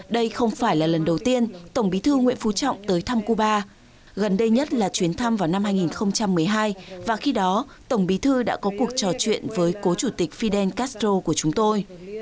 đây không phải là lần đầu tiên tổng bí thư nguyễn phú trọng tới thăm cuba gần đây nhất là chuyến thăm vào năm hai nghìn một mươi hai và khi đó tổng bí thư đã có cuộc trò chuyện với cố chủ tịch fidel castro của chúng tôi